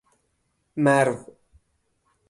مرو